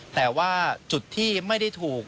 แต่ว่าจุดที่ไม่ได้ถูก